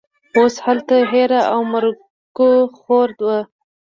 اوس هلته هېره او مرګوخوره ده